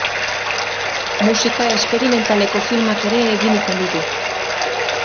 Musika esperimentaleko filmak ere egin izan ditu.